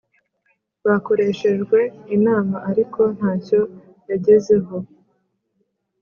Bakoreshejwe inama ariko ntacyo yagezeho